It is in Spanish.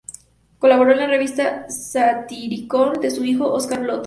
Colaboró en la revista "Satiricón" de su hijo Oskar Blotta.